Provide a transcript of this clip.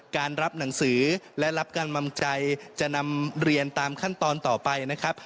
การรับหนังสือและรับกำลังใจจะนำเรียนตามขั้นตอนต่อไปนะครับ